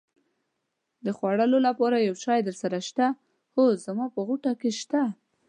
د خوړلو لپاره یو شی درسره شته؟ هو، زما په غوټه کې شته.